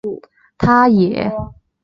他也在雪梨夏季奥运结束后正式退休。